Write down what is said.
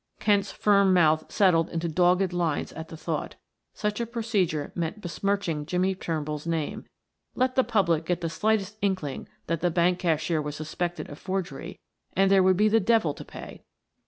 Kent's firm mouth settled into dogged lines at the thought; such a procedure meant besmirching Jimmie Turnbull's name; let the public get the slightest inkling that the bank cashier was suspected of forgery and there would be the devil to pay.